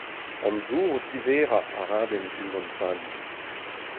An dour o tiverañ a-radenn diouzh an talioù.